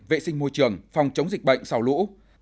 vệ sinh môi trường phòng chống dịch bệnh sau lũ